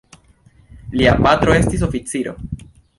Lia patro estis oficiro.